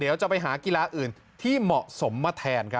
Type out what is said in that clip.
เดี๋ยวจะไปหากีฬาอื่นที่เหมาะสมมาแทนครับ